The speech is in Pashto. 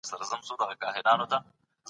د خلکو د ګډون پرته سياست ناکام دی.